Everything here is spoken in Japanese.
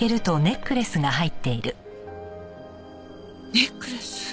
ネックレス。